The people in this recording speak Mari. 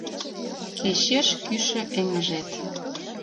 Кечеш кӱшӧ эҥыжет